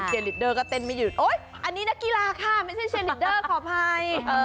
ลิดเดอร์ก็เต้นไม่หยุดโอ๊ยอันนี้นักกีฬาค่ะไม่ใช่เชียร์ลิดเดอร์ขออภัย